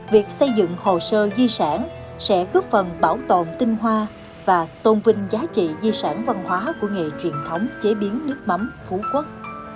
việc xây dựng hồ sơ di sản sẽ góp phần bảo tồn tinh hoa và tôn vinh giá trị di sản văn hóa của nghề truyền thống chế biến nước mắm phú quốc